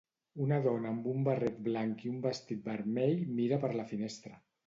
Una dona amb un barret blanc i un vestit vermell mira per la finestra.